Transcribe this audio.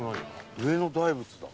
上野大仏だ。